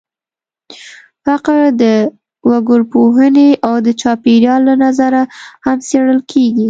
فقر د وګړپوهنې او د چاپېریال له نظره هم څېړل کېږي.